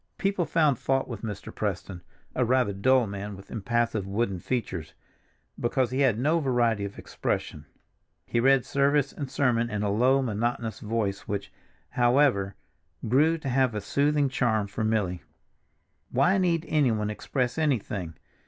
People found fault with Mr. Preston—a rather dull man with impassive wooden features—because he had no variety of expression; he read service and sermon in a low monotonous voice which, however, grew to have a soothing charm for Milly. Why need anyone express anything?